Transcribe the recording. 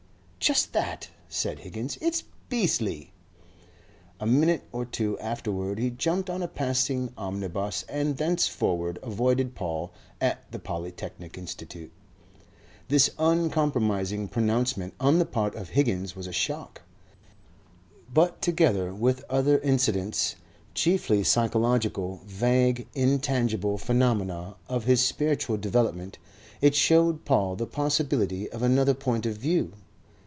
"Just that," said Higgins. "It's beastly!" A minute or two afterward he jumped on a passing omnibus, and thenceforward avoided Paul at the Polytechnic Institute. This uncompromising pronouncement on the part of Higgins was a shock; but together with other incidents, chiefly psychological, vague, intangible phenomena of his spiritual development, it showed Paul the possibility of another point of view.